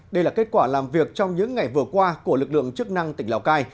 đây là kết quả làm việc trong những ngày vừa qua của lực lượng chức năng tỉnh lào cai